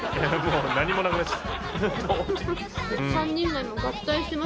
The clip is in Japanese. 何もなくなっちゃった。